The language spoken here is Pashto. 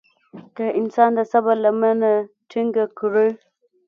که انسان د صبر لمنه ټينګه کړي.